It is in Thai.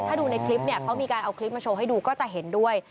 ถ้าดูในคลิปเนี่ยเขามีการเอาคลิปมาโชว์ให้ดูก็จะเห็นด้วย